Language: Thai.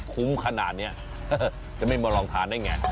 คุ้มขนาดนี้จะไม่มาลองทานได้ไง